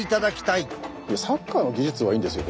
いやサッカーの技術はいいんですよ